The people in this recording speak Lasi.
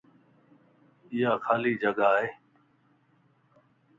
ايا خالي جڳا ائي